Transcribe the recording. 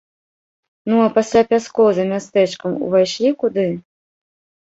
Ну, а пасля пяскоў за мястэчкам увайшлі куды?